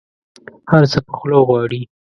هر څه په خوله غواړي.